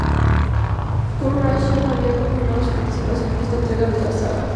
Kurt Russell había confirmado su participación en esta entrega de la saga.